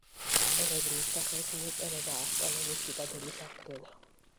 სწორედ მის სახელს მიეწერება ასკალონის ციტადელის აღდგენა.